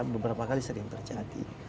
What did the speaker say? beberapa kali sering terjadi